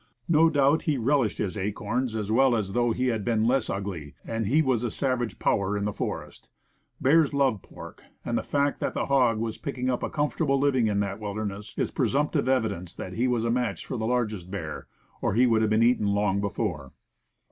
No doubt he relished his acorns as well as though he had been less ugly, and he was a savage power in the forest. Bears love pork, even as a darky loves 'possum; and the fact that he was picking up a comfortable living in that wilderness, is presumptive evidence that he was a match for the largest bear, or he would have been eaten long before.